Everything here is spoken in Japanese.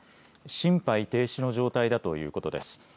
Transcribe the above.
心肺停止の状態だということです。